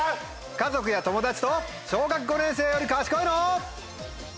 家族や友達と小学５年生より賢いの？